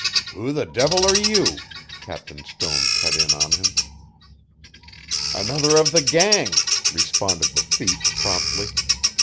"Who the devil are you?" Captain Stone cut in on him. "Another of the gang," responded the thief promptly.